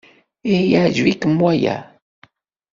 Ihi yeɛjeb-ikem waya?